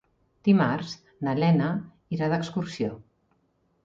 Dimarts na Lena irà d'excursió.